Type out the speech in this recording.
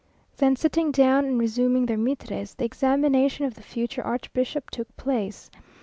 Then sitting down, and resuming their mitres, the examination of the future archbishop took place.